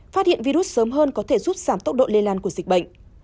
phát hiện virus sớm hơn có thể giúp giảm tốc độ lây lan của dịch bệnh